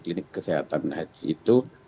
klinik kesehatan haji itu